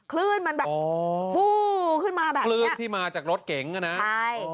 คลื่นมันแบบฟู้ขึ้นมาแบบคลื่นที่มาจากรถเก๋งอ่ะนะใช่